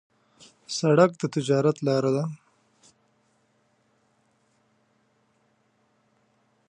سړک د تجارت لاره ده.